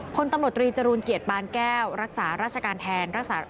พลตำรวจตรีจรูลเกียรติปานแก้วรักษาราชการแทน